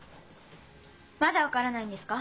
まだ分からないんですか？